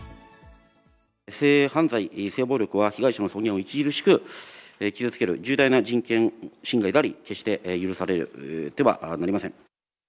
性犯罪、性暴力は被害者の尊厳を著しく傷つける重大な人権侵害であり、決して許されてはなりません。